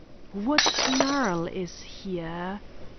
"What snarl is here?"